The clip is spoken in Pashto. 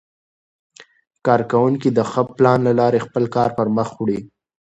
کارکوونکي د ښه پلان له لارې خپل کار پرمخ وړي